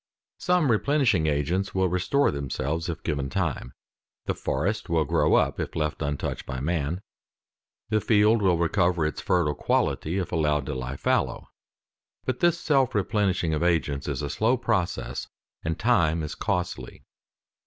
Some replenishing agents will restore themselves if given time; the forest will grow up if left untouched by man; the field will recover its fertile quality if allowed to lie fallow. But this self replenishing of agents is a slow process, and time is costly.